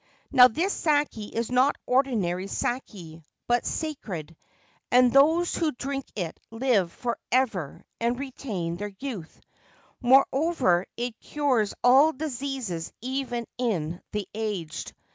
Now, this sake is not ordinary sake, but sacred, and those who drink it live for ever and retain their youth ; moreover, it cures all diseases even in the aged.